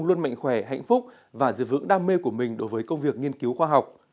luôn mạnh khỏe hạnh phúc và giữ vững đam mê của mình đối với công việc nghiên cứu khoa học